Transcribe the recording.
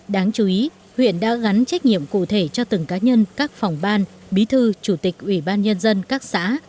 đáng chú ý huyện đã gắn trách nhiệm cụ thể cho từng cá nhân các phòng ban bí thư chủ tịch ủy ban nhân dân các xã